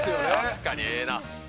確かにええな。